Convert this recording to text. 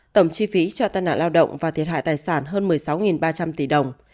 tổng chi phí cho tai nạn lao động và thiệt hại tài sản hơn một mươi sáu ba trăm linh tỷ đồng